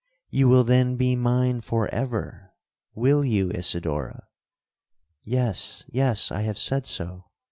You will then be mine for ever?—will you, Isidora?'—'Yes!—yes!—I have said so.